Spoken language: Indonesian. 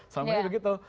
sama aja begitu